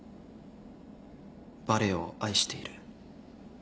「バレエを愛している」